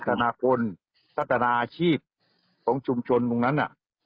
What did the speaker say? ธนากลพัฒนาอาชีพของชุมชนตรงนั้น